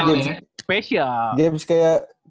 game spesial game kayak